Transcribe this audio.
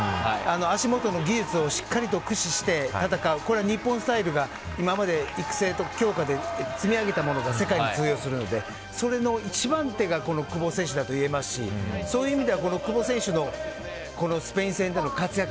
足元の技術をしっかりと駆使して戦う日本スタイルが今まで育成と強化で積み上げたものが世界に通用するのでそれの一番手が久保選手だといえますしそういう意味では久保選手のスペイン戦での活躍